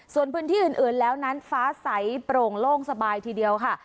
ส่วนพื้นที่อื่นแล้วนั้นฟ้าใสโปร่งโล่งสบายทีเดียวค่ะ